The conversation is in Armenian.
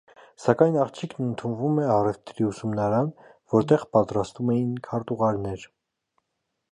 Սակայն աղջիկն ընդունվում է առևտրի ուսումնարան, որտեղ պատրաստում էին քարտուղարներ։